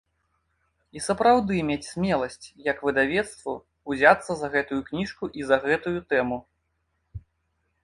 І сапраўды мець смеласць, як выдавецтву, узяцца за гэтую кніжку і за гэтую тэму.